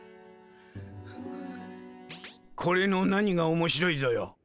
これの何が面白いぞよ？